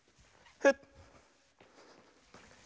フッ。